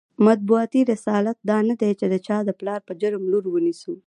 مطبوعاتي رسالت دا نه دی چې د چا د پلار په جرم لور ونیسو.